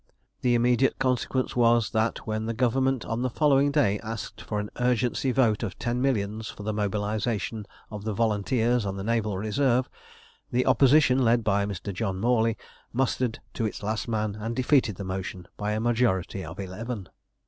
The immediate consequence was that, when the Government on the following day asked for an urgency vote of ten millions for the mobilisation of the Volunteers and the Naval Reserve, the Opposition, led by Mr. John Morley, mustered to its last man, and defeated the motion by a majority of eleven.